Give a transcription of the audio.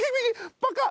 パカッ。